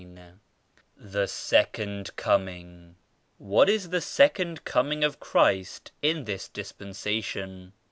eo THE SECOND COMING. ^'What is the Second Coming of Christ in this Dispensation?'